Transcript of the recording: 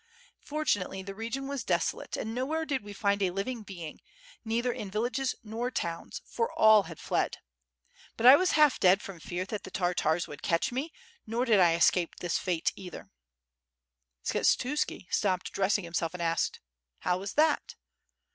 Fortunately the region was deso late, and nowhere did we find a living being, neither in villages nor towns, for all had fled. But 1 was half dead from fear that the Tartars would catch me, nor did I escape this fate either.^* Skshetuski stopped dressing himself and asked: "How was that?''